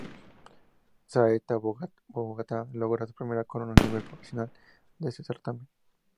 Saeta Bogotá logra su primera corona a nivel profesional de este certamen.